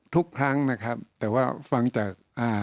ทุกครั้งนะครับแต่ว่าฟังจากอ่า